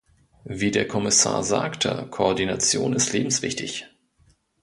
Wie der Kommissar sagte, Koordination ist lebenswichtig.